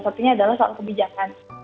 satunya adalah soal kebijakan